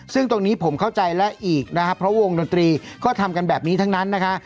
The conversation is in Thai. ซึ่งตรงนี้ผมเข้าใจแล้วอีกนะครับเพราะวงดนตรีก็ทำกันแบบนี้ทั้งนั้นนะคะ